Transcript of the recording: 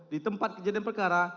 di tempat kejadian perkara